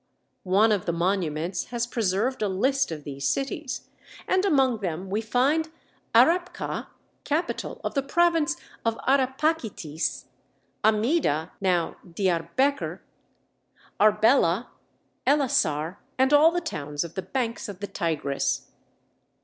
One of the monuments has preserved a list of these cities, and among them we find Arrapkha, capital of the province of Arrapachitis, Amida (now Diarbekr), Arbela, Ellasar, and all the towns of the banks of the Tigris.